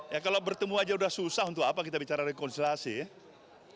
ya kalau bertemu aja udah susah untuk apa kita bicara rekonsiliasi ya